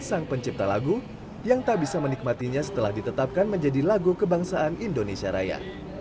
sang pencipta lagu yang tak bisa menikmatinya setelah ditetapkan menjadi lagu kebangsaan indonesia raya